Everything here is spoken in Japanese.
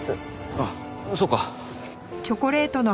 あそうか。